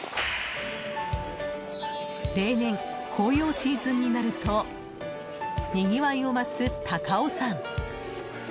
例年、紅葉シーズンになるとにぎわいを増す高尾山。